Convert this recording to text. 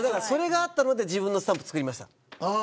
それがあったから自分のスタンプ作りました。